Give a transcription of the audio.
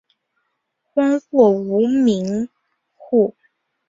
荒或无民户。